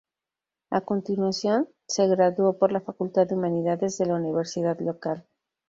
A continuación, se graduó por la facultad de humanidades de la universidad local.